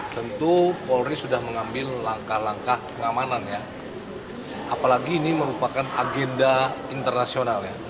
tentu polri sudah mengambil langkah langkah pengamanan ya apalagi ini merupakan agenda internasional ya